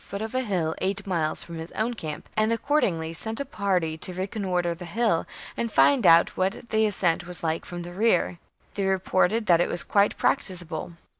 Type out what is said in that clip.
^ i r 1 • foot of a hill eight miles from his own camp, and accordingly sent a party to reconnoitre the hill and find out what the ascent was like from the rear. They reported that it was quite prac ticable.